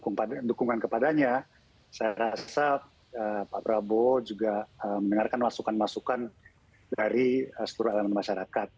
dukungan kepadanya saya rasa pak prabowo juga mendengarkan masukan masukan dari seluruh elemen masyarakat